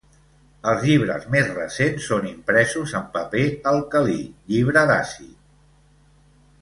Els llibres més recents són impresos en paper alcalí, llibre d'àcid.